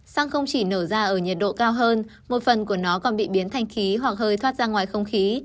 xăng không chỉ nở ra ở nhiệt độ cao hơn một phần của nó còn bị biến thành khí hoặc hơi thoát ra ngoài không khí